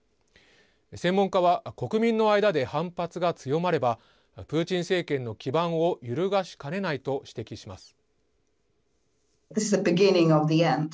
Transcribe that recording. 専門家は国民の間で反発が強まればプーチン政権の基盤を揺るがしかねないと指摘します。